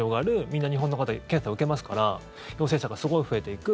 みんな日本の方検査を受けますから陽性者がすごい増えていく。